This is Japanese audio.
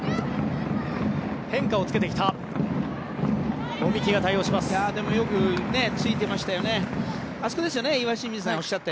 変化をつけてきた。